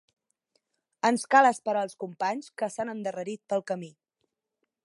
Ens cal esperar els companys que s'han endarrerit pel camí.